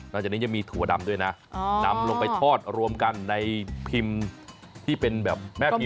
จากนี้ยังมีถั่วดำด้วยนะนำลงไปทอดรวมกันในพิมพ์ที่เป็นแบบแม่พิมพ์